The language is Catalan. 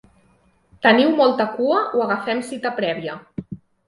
Teniu molta cua o agafem cita prèvia?